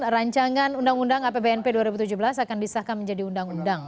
rancangan undang undang apbnp dua ribu tujuh belas akan disahkan menjadi undang undang